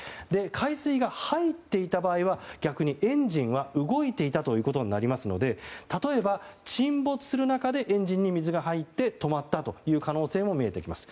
海水が入っていた場合は逆にエンジンは動いていたということになりますので例えば、沈没する中でエンジンに水が入って止まったという可能性も見えてきます。